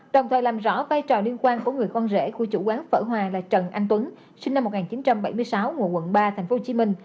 đồng thời làm rõ vai trò liên quan của người con rể của chủ quán phở hòa là trần anh tuấn sinh năm một nghìn chín trăm bảy mươi sáu ngôi quận ba tp hcm